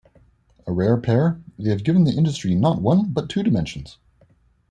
A rare pair, they have given the industry not one but two dimensions.